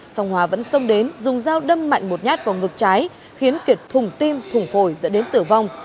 song hòa vẫn xông đến dùng dao đâm mạnh một nhát vào ngực trái khiến kiệt thùng tim thùng phổi dẫn đến tử vong